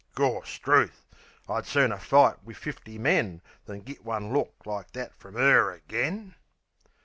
Gorstruth! I'd sooner fight wiv fifty men Than git one look like that frum 'er agen!